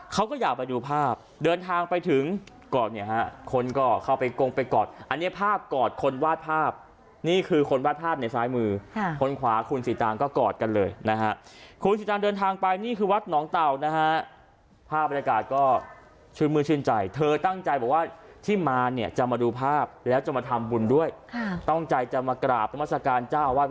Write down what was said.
เขาก็อยากไปดูภาพเดินทางไปถึงก่อนเนี่ยฮะคนก็เข้าไปกงไปกอดอันนี้ภาพกอดคนวาดภาพนี่คือคนวาดภาพในซ้ายมือคนขวาคุณสีตางก็กอดกันเลยนะฮะคุณสีตางเดินทางไปนี่คือวัดหนองเต่านะฮะภาพบรรยากาศก็ชื่นมือชื่นใจเธอตั้งใจบอกว่าที่มาเนี่ยจะมาดูภาพแล้วจะมาทำบุญด้วยค่ะตั้งใจจะมากราบนามัศกาลเจ้าอาวาส